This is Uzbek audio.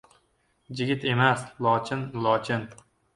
Jigit emas — lochin, lochin!